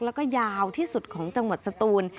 แล้วก็ยาวที่สุดของจังหวัดสตูน